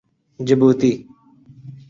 Djibouti